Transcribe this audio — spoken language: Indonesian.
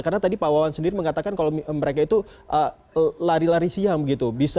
karena tadi pak wawan sendiri mengatakan kalau mereka itu lari lari siang